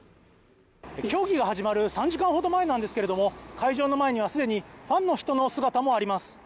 競技が始まる３時間ほど前なんですけれども会場の前にはすでにファンの人の姿もあります